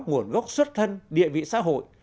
nguồn gốc xuất thân địa vị xã hội